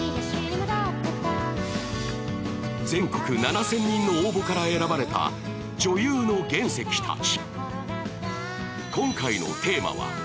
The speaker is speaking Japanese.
全国７０００人の応募から選ばれた女優の原石たち。